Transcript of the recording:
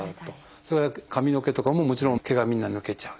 それは髪の毛とかももちろん毛がみんな抜けちゃう。